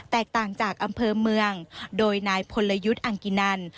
แตกต่างจากอำเภอเมืองโดยนายพลยุทธ์อังกินัน